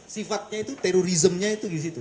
sifatnya itu terrorism nya itu disitu